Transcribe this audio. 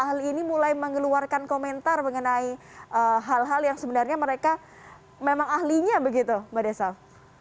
ahli ini mulai mengeluarkan komentar mengenai hal hal yang sebenarnya mereka memang ahlinya begitu mbak desaf